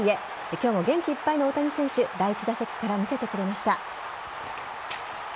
今日も元気いっぱいの大谷選手第１打席から見せてくれました。